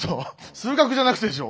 数学じゃなくてでしょ？